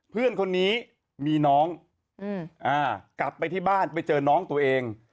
เพื่อนคนนี้มีน้องกลับไปที่บ้านไปเจอน้องตัวเอง